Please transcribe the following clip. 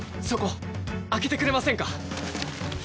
そこ開けてくれませんか？